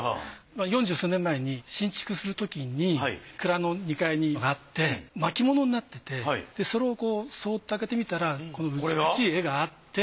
四十数年前に新築するときに蔵の２階にあって巻き物になっててそれをこうそっと開けてみたらこの美しい絵があって。